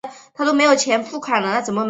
校园位于名古屋市守山区。